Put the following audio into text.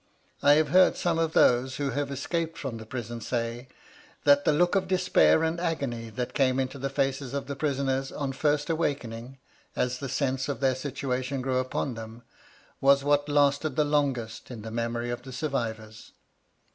(I have heard some of those who have escaped from the prisons say, that the look of despair and agony that came into the faces of the prisoners on first wakening, as the sense of their situation grew upon them, was what lasted the longest in the memory of the survivors.